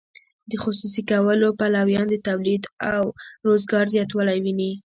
د خصوصي کولو پلویان د تولید او روزګار زیاتوالی ویني.